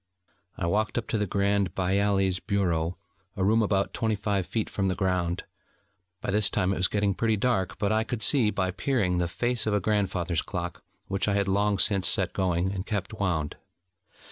I walked up to the Grand Bailli's bureau, a room about twenty five feet from the ground. By this time it was getting pretty dark, but I could see, by peering, the face of a grandfather's clock which I had long since set going, and kept wound.